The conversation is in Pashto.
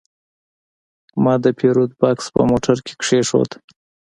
ما د پیرود بکس په موټر کې کېښود.